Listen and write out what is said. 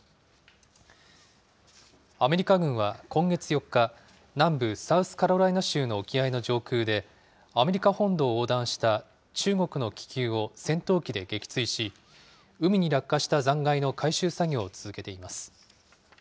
アメリカ軍は今月４日、南部サウスカロライナ州の沖合の上空で、アメリカ本土を横断した中国の気球を戦闘機で撃墜し、海に落下した残骸の回収作業を続けています。